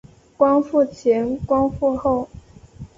光复前光复后